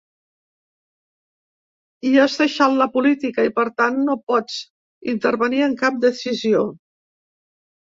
I has deixat la política i, per tant, no pots intervenir en cap decisió.